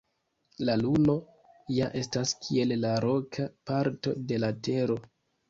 La Luno ja estas kiel la roka parto de la Tero.